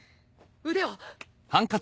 腕を。